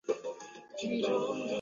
埃鲁维尔圣克莱。